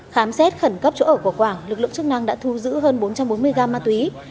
khám xét khẩn cấp chỗ ở của quảng lực lượng chức năng đã thu giữ hơn bốn trăm bốn mươi gram ma túy